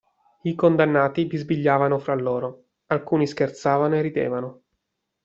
I condannati bisbigliavano fra loro, alcuni scherzavano e ridevano.